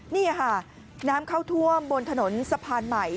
นี่ค่ะน้ำเข้าท่วมบนถนนสะพานใหม่